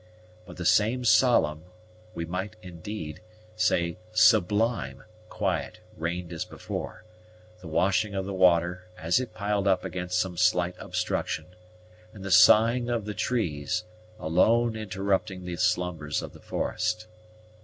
But the same solemn, we might, indeed, say sublime, quiet reigned as before; the washing of the water, as it piled up against some slight obstruction, and the sighing of the trees, alone interrupting the slumbers of the forest.